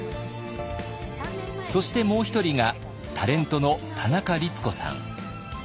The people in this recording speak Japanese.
そしてもう一人がタレントの田中律子さん。